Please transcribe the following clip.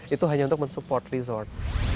itu hanya untuk mensupport resort